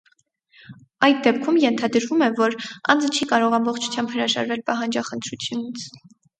Այդ դեպքում ենթադրվում է, որ անձը չի կարող ամբողջությամբ հրաժարվել պահանջախնդրությունից։